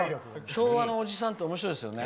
昭和のおじさんっておもしろいですよね。